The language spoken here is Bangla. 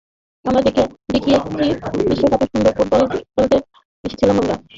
আমরা দেখিয়েছি বিশ্বকাপে সুন্দর ফুটবলই খেলতে এসেছিলাম আমরা, শুধু অংশ নিতে আসিনি।